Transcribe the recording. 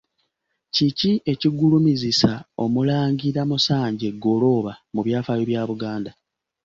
Kiki ekigulumizisa Omulangira Musanje Ggolooba mu byafaayo bya Buganda?